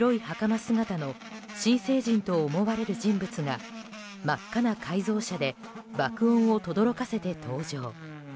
姿の新成人と思われる人物が真っ赤な改造車で爆音をとどろかせて登場。